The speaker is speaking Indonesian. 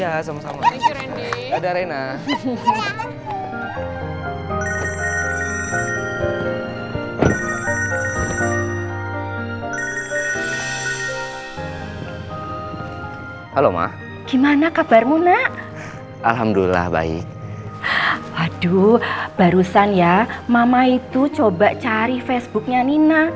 halo ma gimana kabarmu nak alhamdulillah baik aduh barusan ya mama itu coba cari facebooknya nina